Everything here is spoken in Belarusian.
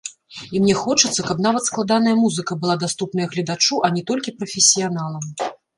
І мне хочацца, каб нават складаная музыка была даступная гледачу, а не толькі прафесіяналам.